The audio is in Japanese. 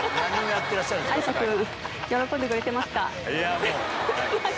有田君、喜んでくれてますか？